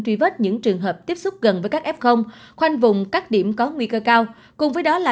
truy vết những trường hợp tiếp xúc gần với các f khoanh vùng các điểm có nguy cơ cao